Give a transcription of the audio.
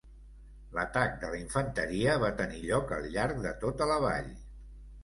L'atac de la infanteria va tenir lloc al llarg de tota la vall.